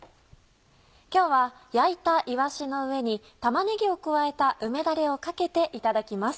今日は焼いたいわしの上に玉ねぎを加えた梅だれをかけていただきます。